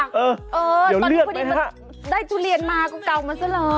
เฮ่ยตอนนี้พอดีได้ทุเรียนมาก็เกามาซะเลย